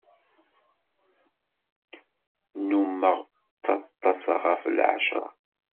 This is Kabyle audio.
Nnummeɣ ttaḍḍaseɣ ɣef lɛecṛa.